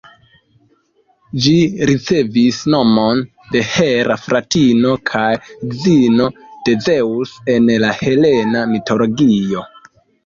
Ĝi ricevis nomon de Hera, fratino kaj edzino de Zeŭso en la helena mitologio.